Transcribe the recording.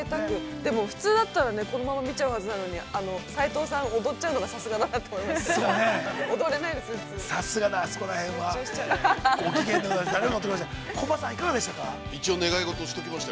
でも普通だったら、このまま見ちゃうはずなので、斉藤さん、踊っちゃうのが、さすがだなと思いました。